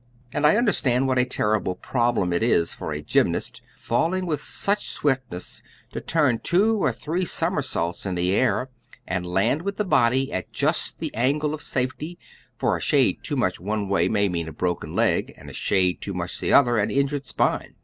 And I understood what a terrible problem it is for a gymnast, falling with such swiftness, to turn two or three somersaults in the air and land with the body at just the angle of safety, for a shade too much one way may mean a broken leg, and a shade too much the other way an injured spine.